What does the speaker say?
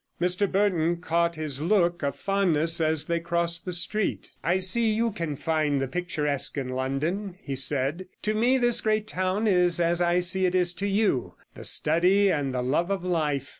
Mr Burton caught his look of fondness as they crossed the street. 'I see you can find the picturesque in London,' he said. 'To me this great town is as I see it is to you the study and the love of life.